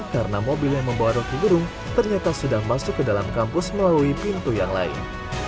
karena mobil yang membawa roky gerung ternyata sudah masuk ke dalam kampus melalui pintu yang lain